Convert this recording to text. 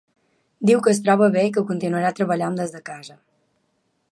Diu que es troba bé i que continuarà treballant des de casa.